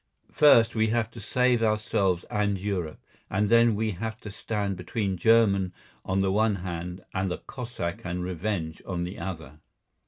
First we have to save ourselves and Europe, and then we have to stand between German on the one hand and the Cossack and revenge on the other.